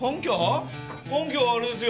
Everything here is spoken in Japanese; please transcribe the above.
根拠はあれですよ。